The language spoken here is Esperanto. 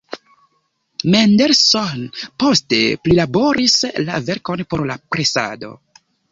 Mendelssohn poste prilaboris la verkon por la presado.